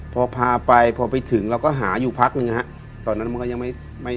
พอพาไปพอไปถึงเราก็หาอยู่พักหนึ่งนะฮะตอนนั้นมันก็ยังไม่ไม่